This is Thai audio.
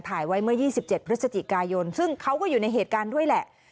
ถ่ายไว้เมื่อ๒๗พฤศจิกายนซึ่งเขาก็อยู่ในเหตุการณ์ด้วยแหละ